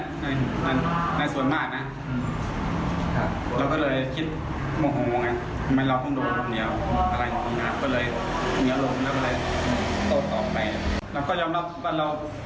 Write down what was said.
ก็เลยเหนียวลงแล้วก็เลยโตต่อไปเราก็ยอมรับว่าเรา